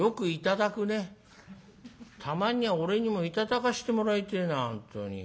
たまには俺にも頂かしてもらいてえな本当に。